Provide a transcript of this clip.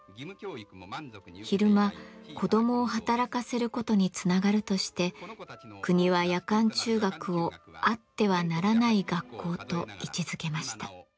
昼間子どもを働かせることにつながるとして国は夜間中学を「あってはならない学校」と位置づけました。